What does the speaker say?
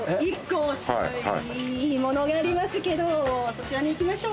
そちらに行きましょう。